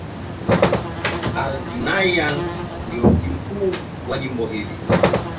Al-Junaynah ndio mji mkuu wa jimbo hili.